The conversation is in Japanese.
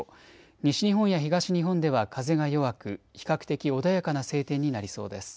西日本や東日本では風が弱く比較的穏やかな晴天になりそうです。